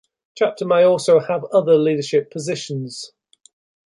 Chapter may also have other leadership positions.